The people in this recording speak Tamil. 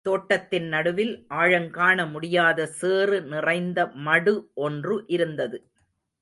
தோட்டத்தின் நடுவில் ஆழங்காண முடியாத சேறு நிறைந்த மடு ஒன்று இருந்தது.